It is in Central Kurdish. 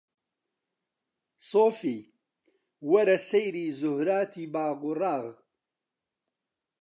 سۆفی! وەرە ئەسەیری زوهووراتی باغ و ڕاغ